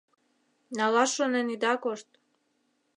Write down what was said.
Налаш шонен ида кошт.